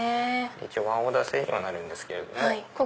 ワンオーダー制にはなるんですけれども。